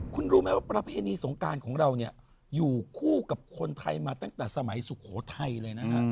คุณรู้ไหมว่าประเภนีสงงการอยู่คู่กับคนไทยมาตั้งแต่สมัยสุโขทัยเลยนะฮะ